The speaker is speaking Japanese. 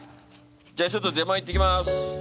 じゃちょっと出前行ってきます。